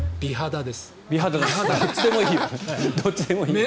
どっちでもいいです。